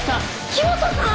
黄本さん